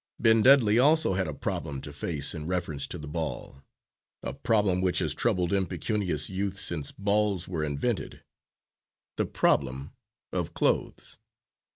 Ben Dudley also had a problem to face in reference to the ball a problem which has troubled impecunious youth since balls were invented the problem of clothes.